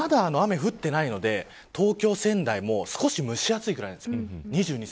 まだ雨が降っていないので東京、仙台も少し蒸し暑いくらいです。